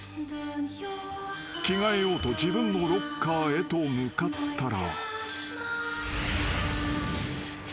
［着替えようと自分のロッカーへと向かったら］